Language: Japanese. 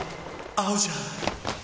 合うじゃん！！